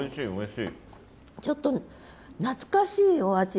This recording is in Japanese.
ちょっと懐かしいお味。